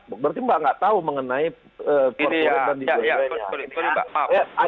berarti mbak tidak tahu mengenai perusahaan dan diberikan